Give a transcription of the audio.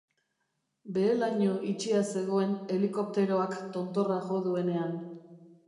Behe-laino itxia zegoen helikopteroak tontorra jo duenean.